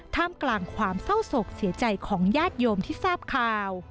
ท่ามกลางความเศร้าศกเสียใจของญาติโยมที่ทราบข่าว